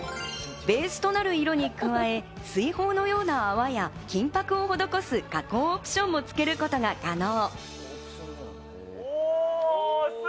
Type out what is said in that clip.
ベースとなる色に加え、水泡のような泡や金箔を施す加工オプションもつけることが可能。